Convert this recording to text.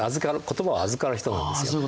言葉を預かる人なんですよ。